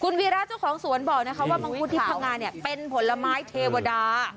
วีระเจ้าของสวนบอกนะคะว่ามังคุดที่พังงาเนี่ยเป็นผลไม้เทวดา